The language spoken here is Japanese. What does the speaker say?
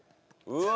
うわ！